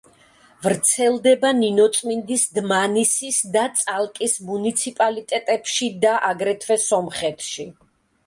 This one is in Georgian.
ვრცელდება ნინოწმინდის, დმანისის და წალკის მუნიციპალიტეტებში და აგრეთვე სომხეთში.